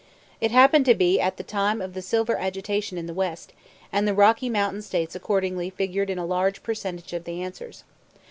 It happened to be at the time of the silver agitation in the West, and the Rocky Mountain States accordingly figured in a large percentage of the answers.